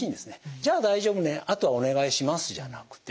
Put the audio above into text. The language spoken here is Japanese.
「じゃあ大丈夫ねあとはお願いします」じゃなくて。